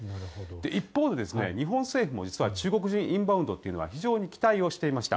一方で日本政府も実は中国人インバウンドというのは非常に期待をしていました。